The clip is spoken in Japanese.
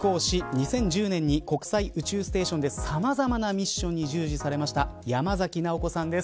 ２０１０年に国際宇宙ステーションでさまざまなミッションに従事されました山崎直子さんです。